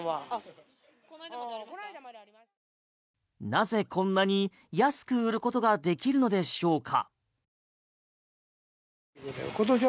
なぜこんなに安く売ることができるのでしょうか？